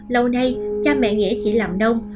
lâu nay cha mẹ nghĩa chỉ làm nông